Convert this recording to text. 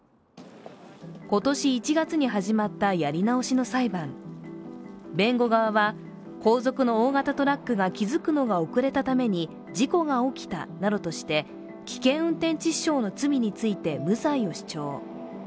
今年１月に始まったやり直しの裁判弁護側は、後続の大型トラックが気付くのが遅れたために事故が起きたなどとして危険運転致死傷の罪について無罪を主張。